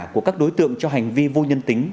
của các đối tượng cho hành vi vô nhân tính